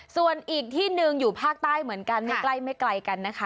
ส่วนอีกที่หนึ่งอยู่ภาคใต้เหมือนกันไม่ใกล้ไม่ไกลกันนะคะ